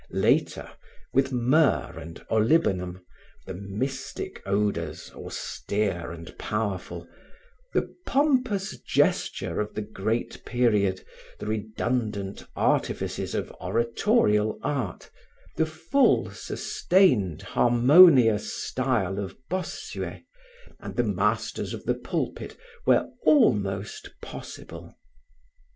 Later, with myrrh and olibanum, the mystic odors, austere and powerful, the pompous gesture of the great period, the redundant artifices of oratorial art, the full, sustained harmonious style of Bossuet and the masters of the pulpit were almost possible.